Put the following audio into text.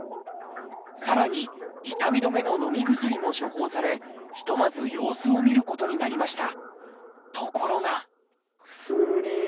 さらに痛み止めののみ薬も処方されひとまず様子を見ることになりました。